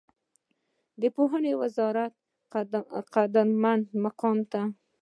د پوهنې وزارت قدرمن مقام ته